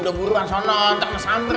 udah buruan sana tak kena samper lo